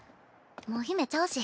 もう姫ちゃうし。